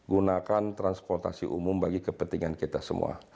gunakan transportasi umum bagi kepentingan kita semua